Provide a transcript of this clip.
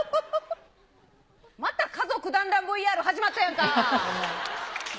また家族団らんＶＲ始まったやんか。